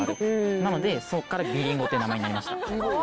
なのでそこから「ビリンゴ」って名前になりました。